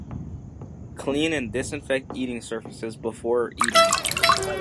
Clean and Disinfect eating surfaces before eating